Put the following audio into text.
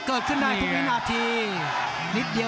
เกิดขึ้นได้ทุกวินาที